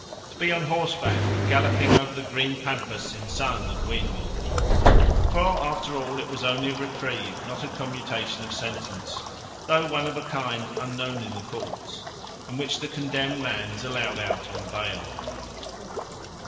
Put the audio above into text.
To be on horseback, galloping over the green pampas, in sun and wind. For after all it was only a reprieve, not a commutation of sentence though one of a kind unknown in the Courts, in which the condemned man is allowed out on bail.